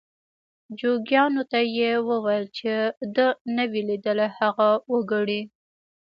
جوګیانو ته یې وویل چې ده نه وي لیدلي هغه وکړي.